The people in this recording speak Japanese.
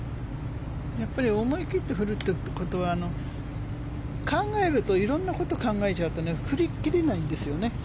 思い切って振るということは、考えると色んなことを考えちゃうと振り切れないんですよね。